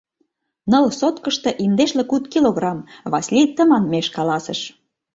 — Ныл соткышто индешлу куд килограмм, — Васлий тыманмеш каласыш.